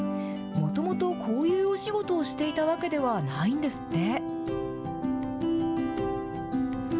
もともと、こういうお仕事をしていたわけではないんですって。